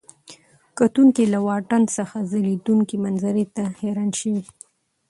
کتونکي له واټن څخه ځلېدونکي منظرې ته حیران شوي.